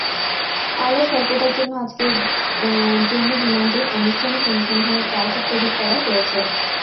আলোর স্বল্পতার জন্য আজকের জন্য বিমানটির আনুষ্ঠানিক অনুসন্ধানের কাজ স্থগিত করা হয়েছে।